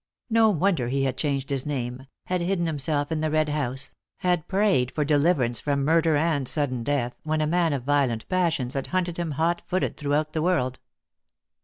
No wonder he had changed his name, had hidden himself in the Red House, had prayed for deliverance from murder and sudden death, when a man of violent passions had hunted him hot footed through the world.